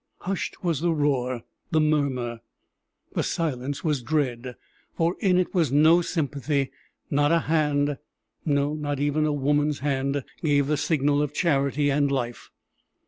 Hushed was the roar the murmur! The silence was dread, for in it was no sympathy; not a hand no, not even a woman's hand gave the signal of charity and life!